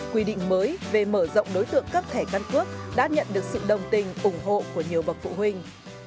quy định mới về mở rộng đối tượng cấp thẻ căn cước đã nhận được sự đồng tình ủng hộ của nhiều bậc phụ huynh